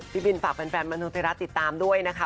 พี่บินฝากแฟนมโนเทศติดตามด้วยนะค่ะ